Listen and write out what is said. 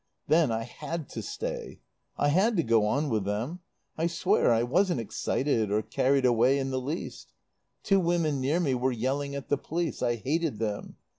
"Then I had to stay. I had to go on with them. I swear I wasn't excited or carried away in the least. Two women near me were yelling at the police. I hated them.